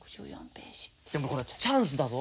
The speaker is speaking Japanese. でっかいチャンスだぞ。